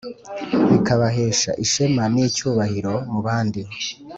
bikabahesha ishema n'icyubahiro mu bandi